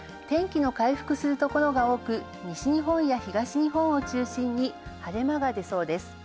天気の回復するところが多く、西日本や東日本を中心に晴れそうです。